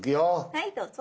はいどうぞ。